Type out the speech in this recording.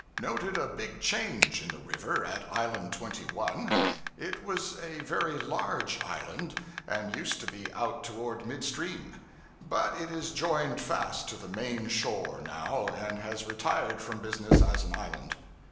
Noted a big change in the river, at Island 21. It was a very large island, and used to be out toward mid stream; but it is joined fast to the main shore now, and has retired from business as an island.